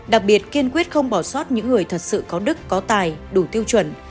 đặc biệt kiên quyết không bỏ sót những người thật sự có đức có tài đủ tiêu chuẩn